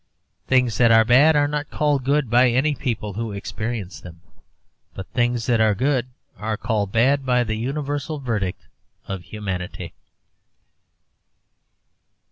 Things that are bad are not called good by any people who experience them; but things that are good are called bad by the universal verdict of humanity.